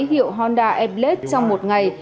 hiệu honda ablet trong một ngày